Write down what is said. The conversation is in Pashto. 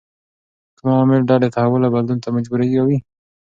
کوم عوامل ډلې تحول او بدلون ته مجبوروي؟